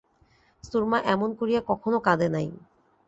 সুরমা এমন করিয়া কখনো কাঁদে নাই।